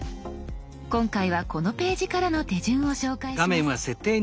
今回はこのページからの手順を紹介します。